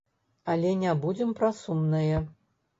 Але не будзем пра сумнае.